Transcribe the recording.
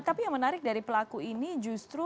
tapi yang menarik dari pelaku ini justru